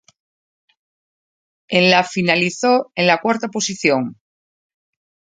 En la finalizó en la cuarta posición.